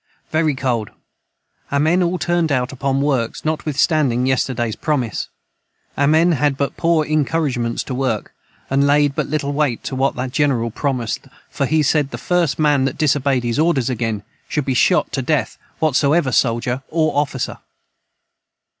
Very cold our men all turned out upon works notwith Standing yesterdays promise our men had but poor incouragements to work & laid but Little weight to what the jineral promised them for he said the first man that disobeyed his orders again should be shot to death whatsoever soldier or officer.